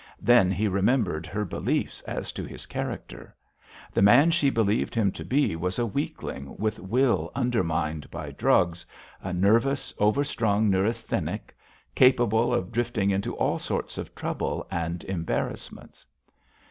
Then he remembered her beliefs as to his character. The man she believed him to be was a weakling with will undermined by drugs, a nervous, overstrung neurasthenic; capable of drifting into all sorts of trouble and embarrassments.